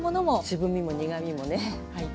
渋みも苦みもねはい。